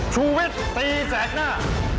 ชูวิชตรีสัตว์หน้า